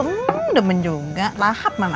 hmm demen juga lahap mana